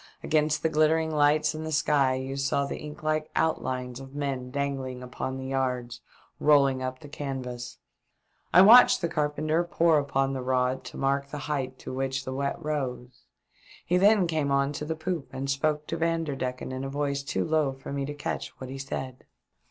Against the glittering lights in the sky you saw the ink like outlines of men dangling upon the yards, rolling up the canvas. I watched the carpenter pore upon the rod to mark the height to which the wet rose ; he then came on to the poop and spoke to Vanderdecken in a voice too low for me to catch what he said.